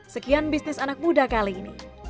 sekian bisnis anak muda kali ini